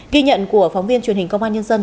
ghi nhận của phóng viên truyền hình công an nhân dân